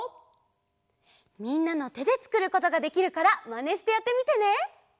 みんなのてでつくることができるからマネしてやってみてね！